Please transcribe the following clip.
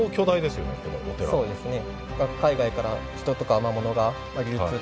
そうですね。